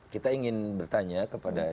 kita ingin bertanya kepada